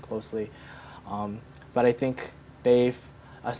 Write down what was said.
kedokteran pendidikan dengan jelas